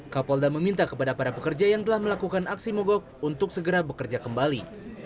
kapolda meminta kepada para pekerja yang telah melakukan aksi mogok untuk segera bekerja kembali